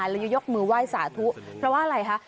ยกมือไหว้สาธุเพราะว่าอะไรคะ